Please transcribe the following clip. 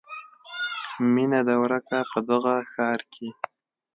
میینه ده ورکه په دغه ښار کې